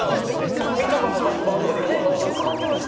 みちょぱも特番とかでよく会ってたし。